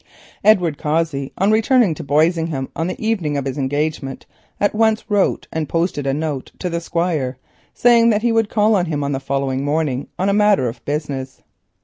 Edward Cossey, when he reached Boisingham on the evening of his engagement, at once wrote and posted a note to the Squire, saying that he would call on the following morning about a matter of business.